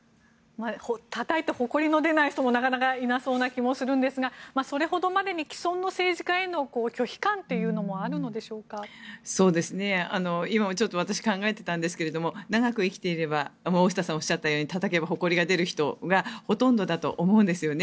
たたいてほこりの出ない人もなかなかいなそうな気がしますがそれほどまでに既存の政治家への拒否感も今も私考えてたんですが長く生きていればたたけばほこりが出る人がほとんどだと思うんですよね。